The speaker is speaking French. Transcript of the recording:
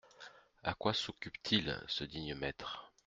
À quoi s’occupe-t-il, ce digne maître ?